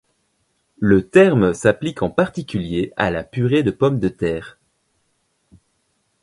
Le terme s'applique en particulier à la purée de pommes de terre.